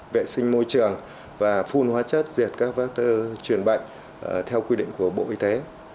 vệ sinh môi trường và phun hóa chất diệt các vắc truyền bệnh theo quy định của bộ y tế